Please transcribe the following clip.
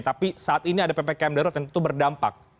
tapi saat ini ada ppkm darurat yang tentu berdampak